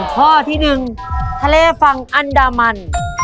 ข้อที่๑ทะเลฝั่งอันดามัน